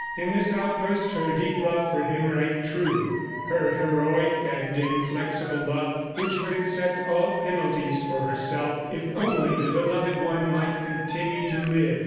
In this outburst her deep love for him rang true her heroic and inflexible love which would accept all penalties for herself, if only the beloved one might continue to live.